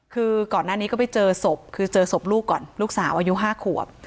คือก่อนหน้านี้ก็ไปเจอศพคือเจอศพลูกก่อนลูกสาวอายุ๕ขวบ